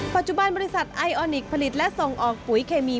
ปัจจุบันบริษัทไอออนิคผลิตและส่งออกปุ๋ยเคมี